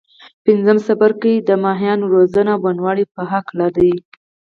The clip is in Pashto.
پنځم څپرکی د کبانو روزنه او بڼوالۍ په هکله دی.